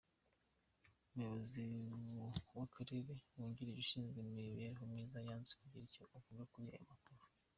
Umuyobozi w’akarere wungirije ushinzwe imibereho myiza yanze kugira icyo avuga kuri aya makuru.